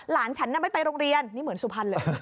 หลานฉันน่ะไม่ไปโรงเรียนนี่เหมือนสุพรรณเลย